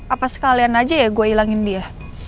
apa sekalian aja ya gue hilangin dia